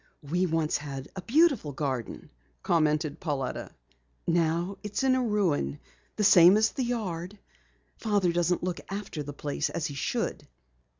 "We once had a beautiful garden," commented Pauletta. "Now it's in ruin, the same as the yard. Father doesn't look after the place as he should."